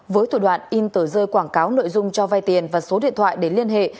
dũng đã in tờ rơi quảng cáo nội dung cho vai tiền và số điện thoại để liên hệ